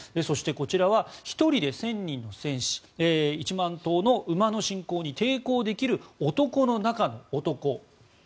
そして、１人で１０００人の戦士１万頭の馬の侵攻に抵抗できる男の中の男。